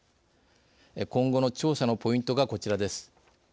今後の調査のポイントがこちらです。